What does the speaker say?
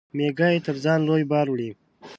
مېږى تر ځان لوى بار وړي.